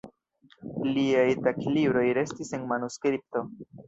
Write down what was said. Liaj taglibroj restis en manuskripto.